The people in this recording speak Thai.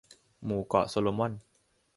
หมู่เกาะโซโลมอน